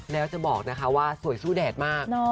แล้วจะบอกนะคะว่าสวยสู้แดดมาก